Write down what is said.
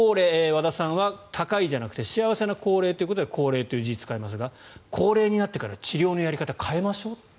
和田さんは高いじゃなくて幸せな高齢ということでこの字を使いますが幸齢になってから治療のやり方を変えましょう。